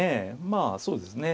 まあそうですね